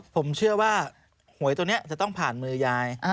ผมเชื่อว่าหวยตัวนี้จะต้องผ่านมือยาย